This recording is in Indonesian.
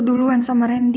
diretogramnya satu you janji